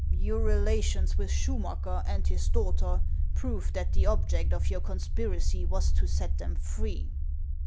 "Your relations with Schumacker and his daughter prove that the object of your conspiracy was to set them free."